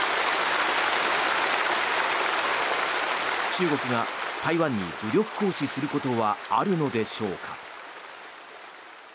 中国が台湾に武力行使することはあるのでしょうか。